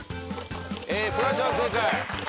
フワちゃん正解。